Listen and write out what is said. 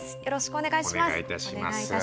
よろしくお願いします。